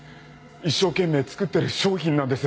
一生懸命作ってる商品なんです。